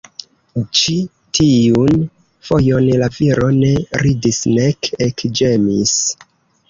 Ĉi tiun fojon la viro ne ridis nek ekĝemis.